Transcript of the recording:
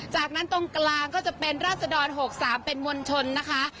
จากนั้นตรงกลางก็จะเป็นราศดร๖๓เป็นมวลชนนะคะ